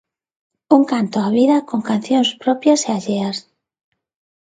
Un canto á vida con cancións propias e alleas.